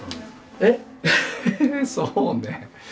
えっそうね。